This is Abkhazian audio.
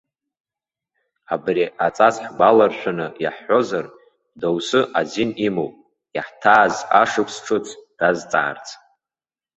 Абри аҵас ҳгәаларшәаны иаҳҳәозар, дасу азин имоуп, иаҳҭааз ашықәс ҿыц дазҵаарц.